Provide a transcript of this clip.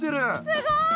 すごい！